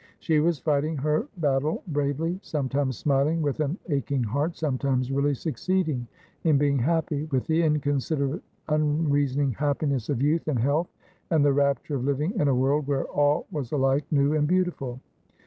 She was fighting her battle bravely, sometimes smiling with an aching heart, sometimes really succeeding in being happy, with the inconsiderate unreasoning happiness of youth and health, and the rapture of living in a world where all was alike new and beautiful.